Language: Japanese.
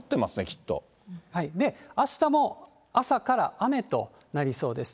で、あしたも朝から雨となりそうです。